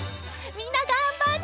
みんながんばって。